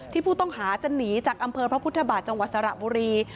ผู้ต้องหาจะหนีจากอำเภอพระพุทธบาทจังหวัดสระบุรี